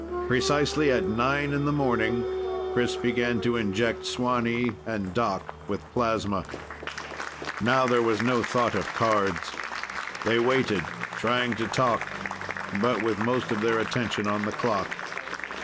Precisely at nine in the morning, Chris began to inject Swanee and Doc with plasma. Now there was no thought of cards. They waited, trying to talk, but with most of their attention on the clock.